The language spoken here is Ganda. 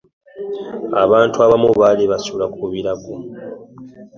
Abantu abamu baali basula ku birago.